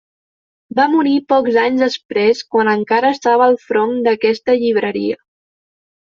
Va morir pocs anys després quan encara estava al front d'aquesta llibreria.